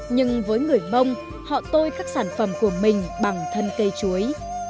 nhưng với người mông họ tôi các sản phẩm của mình bằng thân cây chuối